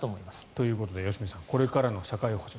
ということで良純さんこれからの社会保障。